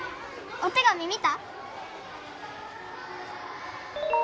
お手紙見た？